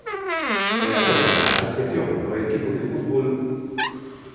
E agora na asociación, no equipo de fútbol...